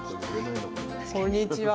こんにちは。